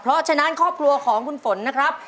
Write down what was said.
เพราะฉะนั้นครอบครัวของคุณฝนนะครับ